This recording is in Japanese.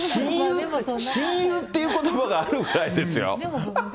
親友っていうことばがあるぐらいですよ。